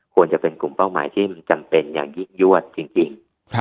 ควรจะเป็นกลุ่มเป้าหมายที่มันจำเป็นอย่างยิ่งยวดจริง